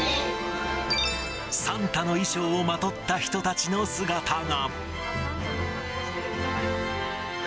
サンタの衣装をまとった人たちの姿が。